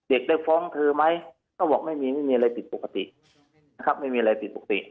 เด็กได้ฟ้องเธอไหมเขาบอกไม่มีไม่มีอะไรผิดปกตินะครับไม่มีอะไรผิดปกติ